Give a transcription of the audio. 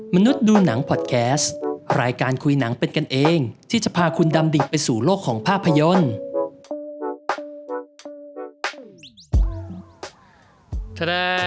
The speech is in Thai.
มนุษย์ดูหนังพอดแคสต์รายการคุยหนังเป็นกันเองที่จะพาคุณดำดิไปสู่โลกของภาพยนตร์